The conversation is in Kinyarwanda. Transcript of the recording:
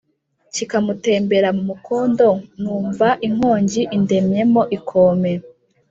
Kikamutembera mu mukondo, Numva inkongi indemyemo ikome,